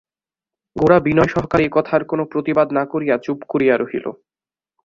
গোরা বিনয়সহকারে এ কথার কোনো প্রতিবাদ না করিয়া চুপ করিয়া রহিল।